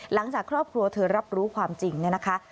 หลังจากครอบครัวเธอรับรู้ความจริงเนี่ยนะคะ